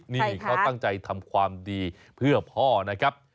นี่เขาตั้งใจทำความดีเพื่อพ่อนะครับ